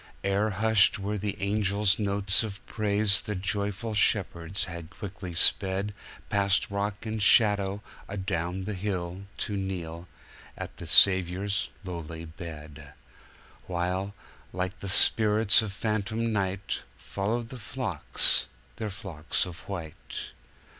Ere hushed were the angels' notes of praise the joyful shepherds had quickly spedPast rock and shadow, adown the hill, to kneel at the Saviour's lowly bed; While, like the spirits of phantom night, Followed their flocks their flocks of white.